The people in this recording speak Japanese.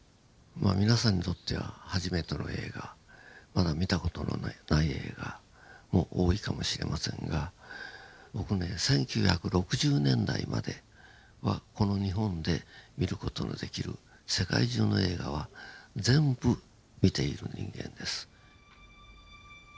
皆さんにとっては初めての映画まだ見た事のない映画も多いかもしれませんが僕ね１９６０年代まではこの日本で見る事のできる世界中の映画は全部見ている人間です。